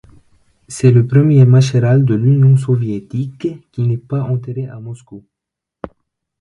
C'est le premier maréchal de l'Union soviétique qui n'est pas enterré à Moscou.